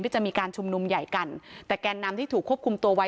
จะมีการชุมนุมใหญ่กันแต่แกนนำที่ถูกควบคุมตัวไว้